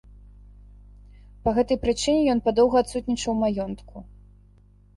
Па гэтай прычыне ён падоўгу адсутнічаў у маёнтку.